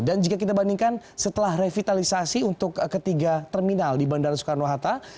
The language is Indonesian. dan jika kita bandingkan setelah revitalisasi untuk ketiga terminal di bandara soekarno hatta